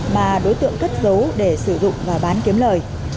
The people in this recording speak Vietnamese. mà đối tượng cất dấu để sử dụng và bán kiếm lời